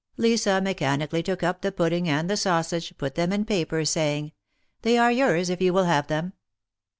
Lisa mechanically took up the pudding and the sausage, put them in paper, saying : They are yours if you will have them."